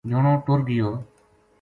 جنو ٹُر گیو